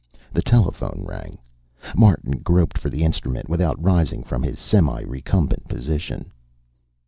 The telephone rang. Martin groped for the instrument without rising from his semi recumbent position.